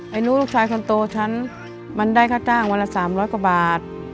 รู้ลูกชายคนโตฉันมันได้ค่าจ้างวันละ๓๐๐กว่าบาท